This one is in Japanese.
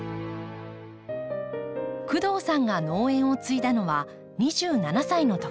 工藤さんが農園を継いだのは２７歳のとき。